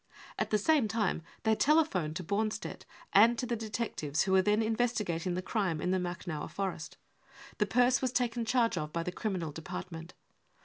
At the same time they telephoned to Bornstedt and to the detectives who were then investigating the crime in the Machnower Forest. The purse was taken charge of by the Criminal Department.